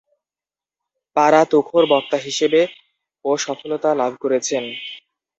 পারা তুখোড় বক্তা হিসেবে ও সফলতা লাভ করেছেন।